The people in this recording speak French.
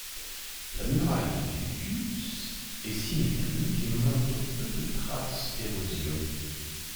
La muraille de Zucchius est symétrique et montre peu de trace d’érosion.